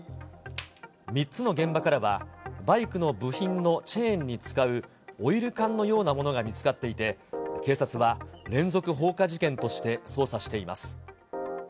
３つの現場からは、バイクの部品のチェーンに使うオイル缶のようなものが見つかっていて、警察は連続放火事件として捜査しています。